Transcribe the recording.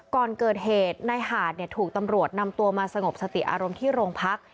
ก่อนเกิดเหตุนายหาดถูกตำรวจนำตัวมาสงบสติอารมณ์ที่โรงพัก